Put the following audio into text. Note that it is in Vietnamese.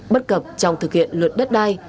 bất cập trong thực hiện luật đất đai